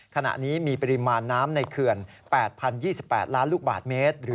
ขณะนี้มีปริมาณน้ำในเขื่อน๘๐๒๘ล้านลูกบาทเมตร